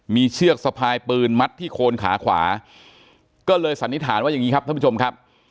มีเชือกสะพายปืนมัดที่โคนขาขวาก็เลยสันนิษฐานว่าอย่างนี้ครับท่านผู้ชมครับ